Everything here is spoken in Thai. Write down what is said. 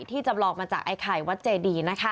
จำลองมาจากไอ้ไข่วัดเจดีนะคะ